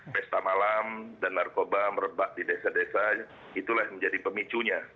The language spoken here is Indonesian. pesta malam dan narkoba merebak di desa desa itulah yang menjadi pemicunya